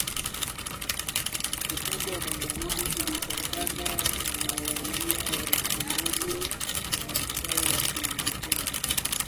Upande wa magharibi imepakana na Wilaya ya Korogwe na Mkoa wa Kilimanjaro.